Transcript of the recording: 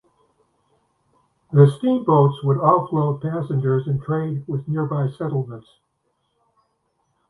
The steam boats would offload passengers and trade with nearby settlements.